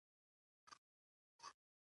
یا تا له ججې څخه خلاصوم یا سر بایلم.